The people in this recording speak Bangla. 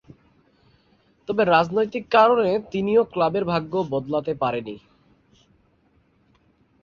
তবে রাজনৈতিক কারণে তিনিও ক্লাবের ভাগ্য বদলাতে পারেননি।